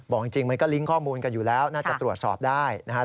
จริงมันก็ลิงก์ข้อมูลกันอยู่แล้วน่าจะตรวจสอบได้นะครับ